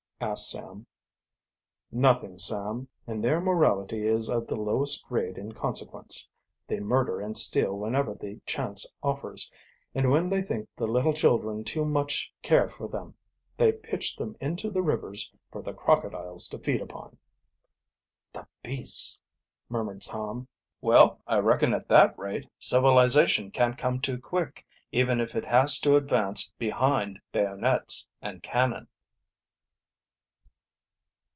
asked Sam. "Nothing, Sam. And their morality is of the lowest grade in consequence. They murder and steal whenever the chance offers, and when they think the little children too much care for them they pitch them into the rivers for the crocodiles to feed upon." "The beasts!" murmured Tom. "Well, I reckon at that rate, civilization can't come too quick, even if it has to advance behind bayonets and cannon."